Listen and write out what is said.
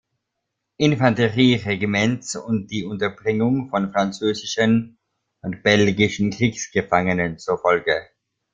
Infanterie-Regiments und die Unterbringung von französischen und belgischen Kriegsgefangenen zur Folge.